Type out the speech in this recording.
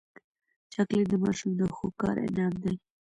چاکلېټ د ماشوم د ښو کار انعام دی.